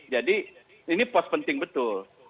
jadi ini pos penting betul